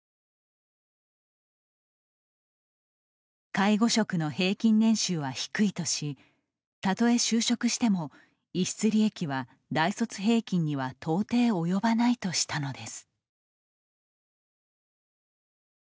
介護職の平均年収は低いとしたとえ就職しても逸失利益は大卒平均には到底及ばないとしたのです。